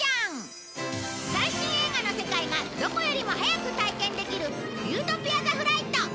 最新映画の世界がどこよりも早く体験できる理想郷ザ・フライト